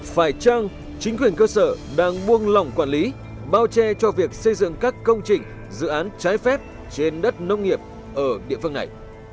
phải chăng chính quyền cơ sở đang buông lỏng quản lý bao che cho việc xây dựng các công trình dự án trái phép trên đất nông nghiệp ở địa phương này